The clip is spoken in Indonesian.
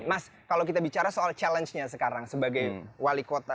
mas kalau kita bicara soal challenge nya sekarang sebagai wali kota